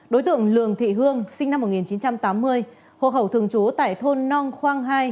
đối tượng lường thị hương sinh năm một nghìn chín trăm tám mươi hộ khẩu thường trú tại thôn nong khoang hai